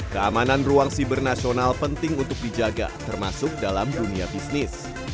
keamanan ruang siber nasional penting untuk dijaga termasuk dalam dunia bisnis